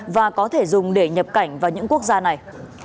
và có thể dùng để nhập cảnh vào những quốc gia này